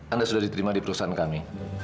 anda sudah diterima di perusahaan kami